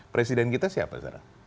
presiden kita siapa sekarang